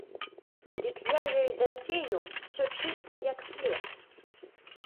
Дык я ёй засею ўсё чыста як след.